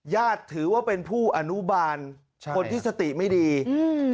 ถือว่าเป็นผู้อนุบาลใช่คนที่สติไม่ดีอืม